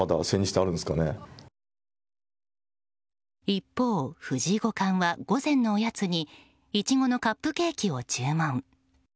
一方、藤井五冠は午前のおやつにイチゴのカップケーキを注文。